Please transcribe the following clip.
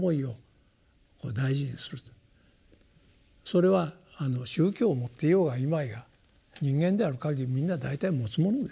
それは宗教を持っていようがいまいが人間である限りみんな大体持つものですよ。